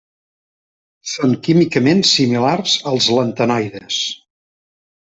Són químicament similars als lantanoides.